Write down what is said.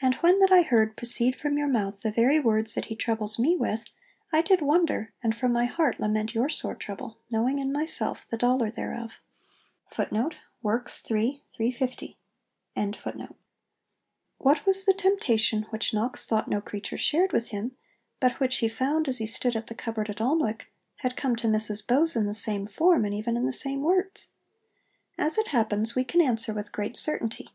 And when that I heard proceed from your mouth the very words that he troubles me with, I did wonder and from my heart lament your sore trouble, knowing in myself the dolour thereof.' What was the temptation which Knox thought no creature shared with him, but which he found, as he stood at the cupboard at Alnwick, had come to Mrs Bowes in the same form, and even in the same words? As it happens, we can answer with great certainty.